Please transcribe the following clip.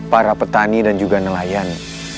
para petani dan juga nelayan